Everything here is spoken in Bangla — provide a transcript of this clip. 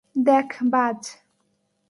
দেখ, বাজ।